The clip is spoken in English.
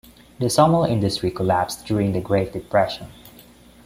The sawmill industry collapsed during the Great Depression.